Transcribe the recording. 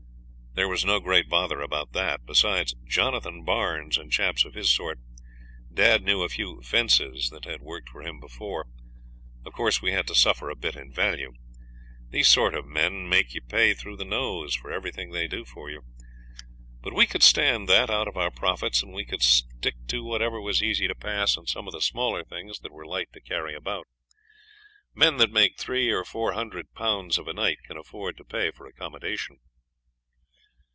There was no great bother about that. Besides Jonathan Barnes and chaps of his sort, dad knew a few 'fences' that had worked for him before. Of course we had to suffer a bit in value. These sort of men make you pay through the nose for everything they do for you. But we could stand that out of our profits, and we could stick to whatever was easy to pass and some of the smaller things that were light to carry about. Men that make 300 or 400 Pounds of a night can afford to pay for accommodation.